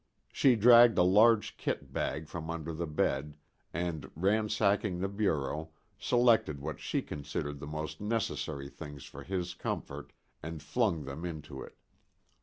She dragged a large kit bag from under the bed, and, ransacking the bureau, selected what she considered the most necessary things for his comfort and flung them into it.